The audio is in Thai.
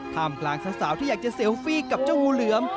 กลางสาวที่อยากจะเซลฟี่กับเจ้างูเหลือม